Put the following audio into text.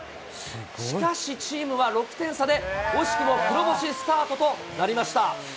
しかし、チームは６点差で惜しくも黒星スタートとなりました。